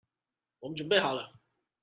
我們準備好了